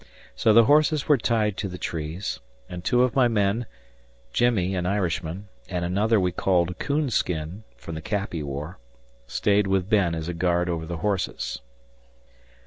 So the horses were tied to the trees, and two of my men Jimmie, an Irishman, and another we called "Coonskin", from the cap he wore stayed with Ben as a guard over the horses.